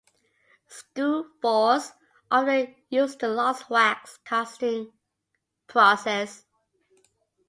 Skoogfors often used the lost-wax casting process.